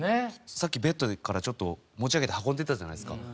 さっきベッドからちょっと持ち上げて運んでたじゃないですか。